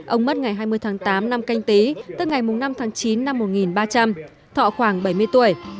ông mất ngày hai mươi tháng tám năm canh tí tức ngày năm tháng chín năm một nghìn ba trăm linh thọ khoảng bảy mươi tuổi